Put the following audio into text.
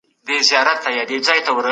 تاسي باید په ژوند کي له ظلم څخه لیري اوسئ.